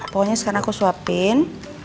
pokoknya sekarang aku suapin